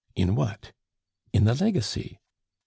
"In what?" "In the legacy."